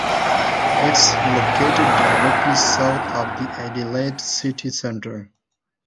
It is located directly south of the Adelaide city centre.